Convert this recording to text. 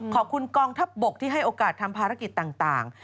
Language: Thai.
กองทัพบกที่ให้โอกาสทำภารกิจต่าง